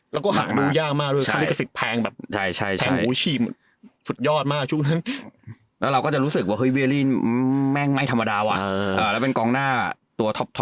แล้วก็ห่างมูลยากมากด้วยความลิขสิทธิ์แพงแบบแพงหูชีสุดยอดมากช่วงนั้น